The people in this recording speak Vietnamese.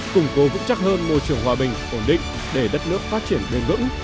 củng cố vững chắc hơn môi trường hòa bình ổn định để đất nước phát triển bền vững